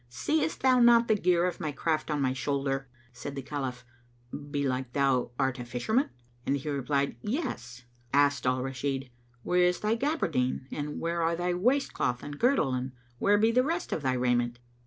Seest thou not the gear of my craft on my shoulder?" Said the Caliph, "Belike thou art a fisherman?"; and he replied, "Yes." Asked Al Rashid, "Where is thy gaberdine, [FN#220] and where are thy waistcloth and girdle and where be the rest of thy raiment?"